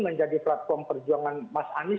menjadi platform perjuangan mas anies